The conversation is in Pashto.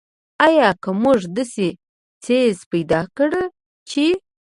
آیا که موږ داسې څیز پیدا کړ چې.